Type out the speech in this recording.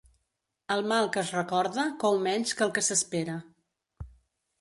El mal que es recorda cou menys que el que s'espera.